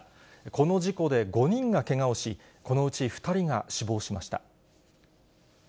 この事故で５人がけがをし、このうち２人が死亡しました。